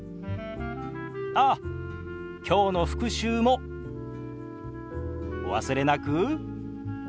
ああ今日の復習もお忘れなく。